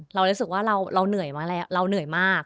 เรารู้สึกว่าเราเหนื่อยมากแล้วเราเหนื่อยมาก